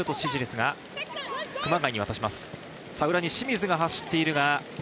裏に清水が走っている。